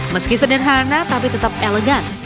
meski sederhana tapi tetap elegan